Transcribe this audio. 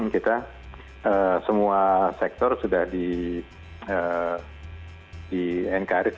kita semua sektor sudah di encourage